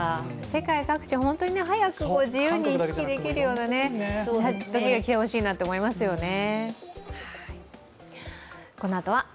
世界各地、早く自由に行き来できるような時が来てほしいなと思いますね。